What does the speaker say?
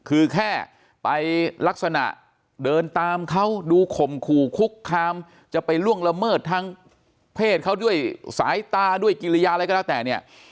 คือแค่ไปลักษณะเดินตามเขาดูข่มขู่คุกคามจะไปล่วงละเมิดทางเพศเขาด้วยสายตาด้วยกิริยาอะไรก็แล้วแต่เนี่ย